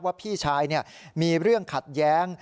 ว่าพี่ชายเนี่ยมีเรื่องขัดแย้ง